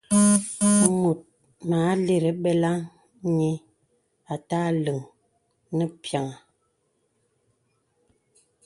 Mùt mà àlìrī beləŋghi à tà àleŋ nə pīaŋha.